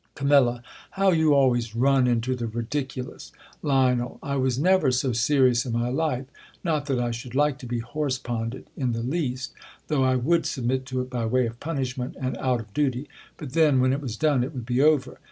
Cam, How you always run into the ridiculous ! Lion, I v/as never so serious in my life ; not that I should like to be horse ponded in the least, though I would submit to it by way of punishment, and out of duty: but then, when it was done, it would be over.